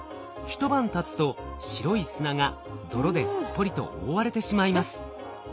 一晩たつと白い砂が泥ですっぽりと覆われてしまいます。